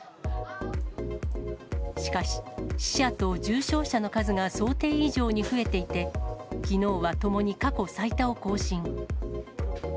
しかし、死者と重症者の数が想定以上に増えていて、きのうはともに過去最多を更新。